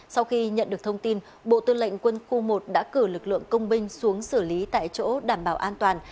sau khi nhận được thông tin bộ tư lệnh quân khu một đã cử lực lượng công binh xuống xử lý tại chỗ đảm bảo an toàn